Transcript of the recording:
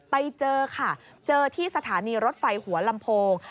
ไปเจอค่ะเจอที่สถานีรถไฟหัวลำโพง